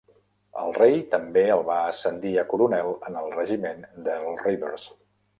El rei també el va ascendir a coronel en el regiment d'Earl Rivers.